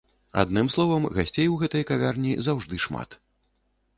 Адным словам, гасцей у гэтай кавярні заўжды шмат.